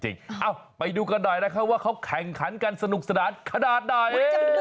เอาไปดูกันหน่อยนะครับว่าเขาแข่งขันกันสนุกสนานขนาดไหน